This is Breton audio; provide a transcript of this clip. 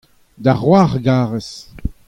da c'hoar a gares.